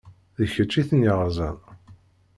D kečč i ten-yeṛẓan.